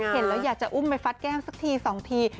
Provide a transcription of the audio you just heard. เห็นแล้วอยากจะอุ้มไปฟัดแก้วสักที๒ที